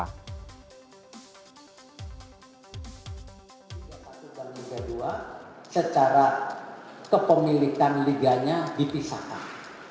liga satu dan liga dua secara kepemilikan liganya dipisahkan